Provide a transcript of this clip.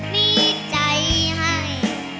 มีใจให้